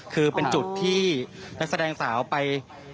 คือเป็นจุดที่นักแสดงสาวไป